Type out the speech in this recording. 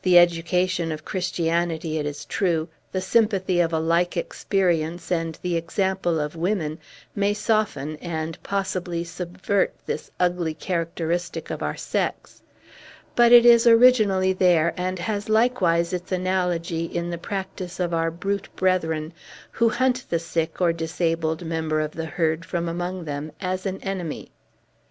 The education of Christianity, it is true, the sympathy of a like experience and the example of women, may soften and, possibly, subvert this ugly characteristic of our sex; but it is originally there, and has likewise its analogy in the practice of our brute brethren, who hunt the sick or disabled member of the herd from among them, as an enemy.